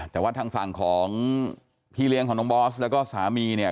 แต่ว่าทางฝั่งของพี่เลี้ยงของน้องบอสแล้วก็สามีเนี่ย